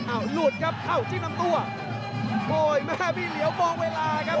อ้าวหลุดครับอ้าวจิ๊กนำตัวโอ้โหมาพี่เหลวมองเวลาครับ